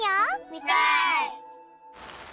みたい！